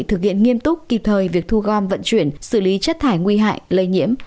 thực hiện nghiêm túc kịp thời việc thu gom vận chuyển xử lý chất thải nguy hại lây nhiễm